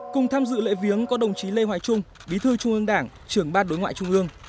cùng tham dự lễ viếng có đồng chí lê hoài trung bí thư trung ương đảng trưởng bát đối ngoại trung ương